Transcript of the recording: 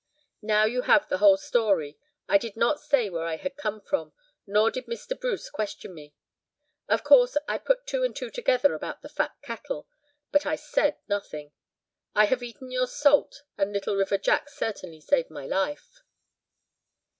Now you have the whole story. I did not say where I had come from, nor did Mr. Bruce question me. Of course I put two and two together about the fat cattle. But I said nothing. I have eaten your salt, and Little River Jack certainly saved my life."